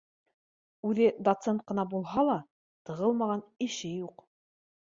Үҙе доцент ҡына булһа ла, тығылмаған эше юҡ